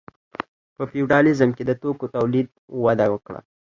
په فیوډالیزم کې د توکو تولید وده وکړه.